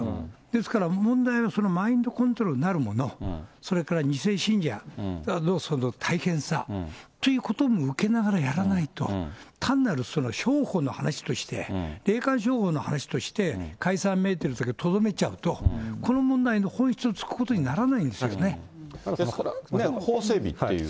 ですから、問題はそのマインドコントロールなるもの、それから２世信者の大変さということを受けながらやらないと、単なる商法の話として、霊感商法の話として、解散命令だけにとどめちゃうと、この問題の本質をつくことになら法整備っていう。